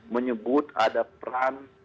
menyebut ada peran